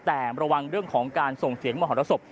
แต่ระวังเรื่องของการส่งเสียงมหรสบ